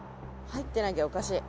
入ってなきゃおかしい。